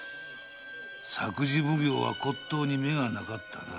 作事奉行は骨董に目がなかったな。